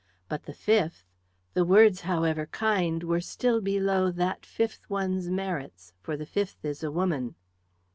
But the fifth! The words, however kind, were still below that fifth one's merits; for the fifth is a woman."